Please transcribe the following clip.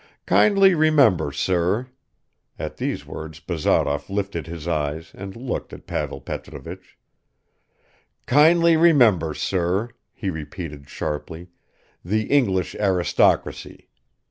Kindly remember, sir," (at these words Bazarov lifted his eyes and looked at Pavel Petrovich) "kindly remember, sir," he repeated sharply, "the English aristocracy.